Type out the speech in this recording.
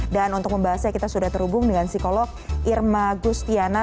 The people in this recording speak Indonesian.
dan untuk membahasnya kita sudah terhubung dengan psikolog irma gustiana